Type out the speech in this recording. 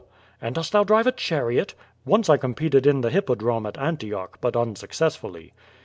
"And dost thou drive a chariot?" "Once I competed in the hippodrome at Antioch, but un successfully."